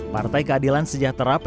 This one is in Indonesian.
partai keadilan sejahtera pdi